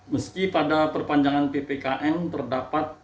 meski pada perpanjangan ppkm terdapat